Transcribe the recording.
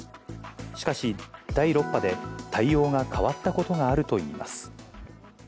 しかし、第６波で対応が変わったことがあるといいます。